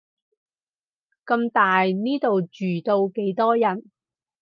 咁大，呢度住到幾多人